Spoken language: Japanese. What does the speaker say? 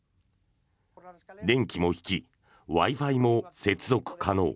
電気も引きＷｉ−Ｆｉも接続可能。